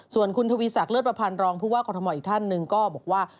ส่วนคุณทวีศักดิเลิศประพันธ์รองผู้ว่ากรทมอีกท่านหนึ่งก็บอกว่า